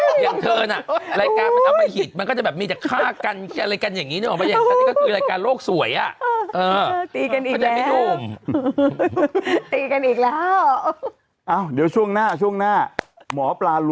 โอ้โหอย่างเธอน่ะมันก็จะแบบออกมันก็จะออกมา